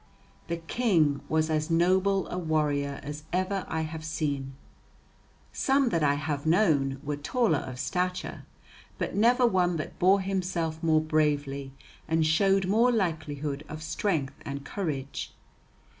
The King was as noble a warrior as ever I have seen. Some that I have known were taller of stature, but never one that bore himself more bravely and showed more likelihood of strength and courage.